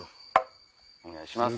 お願いします。